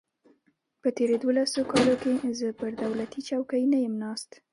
په تېرو دولسو کالو کې زه پر دولتي چوکۍ نه یم ناست.